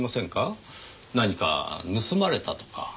何か盗まれたとか。